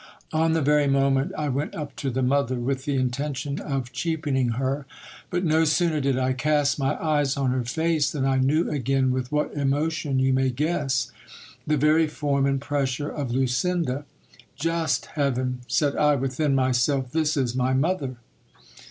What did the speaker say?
On the very moment I went up to the mother, with the intention of cheap ening her ; but no sooner did I cast my eyes on her face, than I knew again, with what emotion vou may guess ! the very form and pressure of Lucinda. Just heaven ! said i' within myself, this is my mother